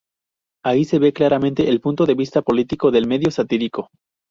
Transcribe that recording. Ahí se ve claramente el punto de vista político del medio satírico.